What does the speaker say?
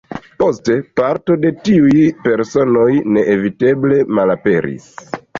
Poste parto de tiuj personoj neeviteble malaperis.